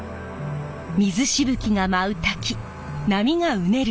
水しぶきが舞う滝波がうねる